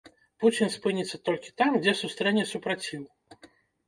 Пуцін спыніцца толькі там, дзе сустрэне супраціў.